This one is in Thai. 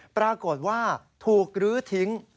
ปรากฏว่าถูกลื้อทิ้ง